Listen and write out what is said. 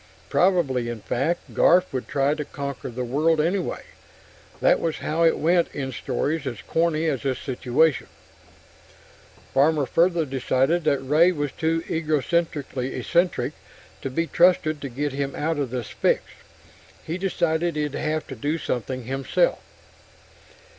(Probably, in fact, Garf would try to conquer the world anyway; that was how it went in stories as corny as this situation.) Farmer further decided that Ray was too egocentrically eccentric to be trusted to get them out of this fix; he decided he'd have to do something himself.